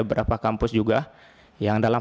beberapa kampus juga yang dalam